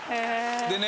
でね